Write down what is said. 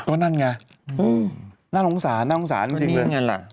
ว่านั่นไงหน้าหงสารจริงเลย